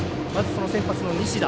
先発の西田。